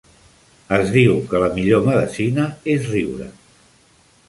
Es diu que la millor medecina és riure.